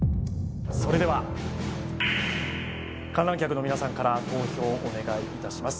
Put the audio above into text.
それでは観覧客の皆さんから投票をお願いいたします